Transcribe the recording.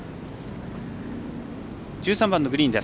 １３番のグリーン。